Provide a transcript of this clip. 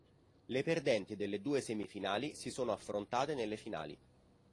Le perdenti delle due semifinali si sono affrontate nelle finali.